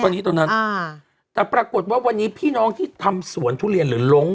ตอนนี้ตรงนั้นอ่าแต่ปรากฏว่าวันนี้พี่น้องที่ทำสวนทุเรียนหรือลง